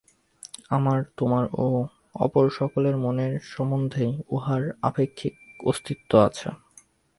আমার, তোমার ও অপর সকলের মনের সম্বন্ধেই ইহার আপেক্ষিক অস্তিত্ব আছে।